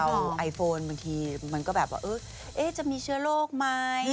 ไอโฟนบางทีมันก็แบบว่าจะมีเชื้อโรคไหม